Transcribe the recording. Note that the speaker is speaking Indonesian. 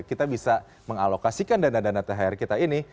kita bisa mengalokasikan dana dana thr kita ini